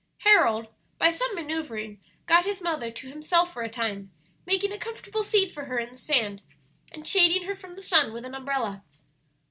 Harold, by some manoeuvring, got his mother to himself for a time, making a comfortable seat for her in the sand, and shading her from the sun with an umbrella.